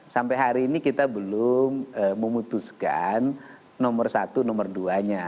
sampai hari ini kita belum memutuskan nomor satu nomor dua nya